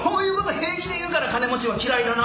平気で言うから金持ちは嫌いだな。